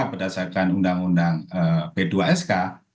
berdasarkan undang undang p dua sk